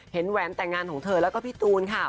แหวนแต่งงานของเธอแล้วก็พี่ตูนค่ะ